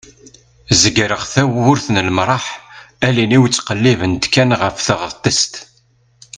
zegreɣ tawwurt n lemraḥ allen-iw ttqellibent kan ɣef teɣtest